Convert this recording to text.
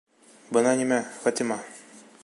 — Бына нимә, Фатима.